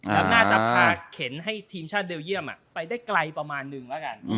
แล้วน่าจะพาเข็นให้ทีมชาติเบลเยี่ยมไปได้ไกลประมาณนึงแล้วกัน